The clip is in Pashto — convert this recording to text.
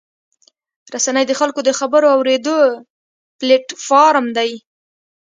رسنۍ د خلکو د خبرو اورېدو پلیټفارم دی.